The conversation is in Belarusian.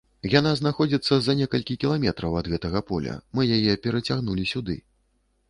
Яна знаходзіцца за некалькі кіламетраў ад гэтага поля, мы яе перацягнулі сюды.